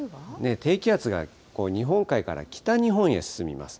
低気圧が日本海から北日本へ進みます。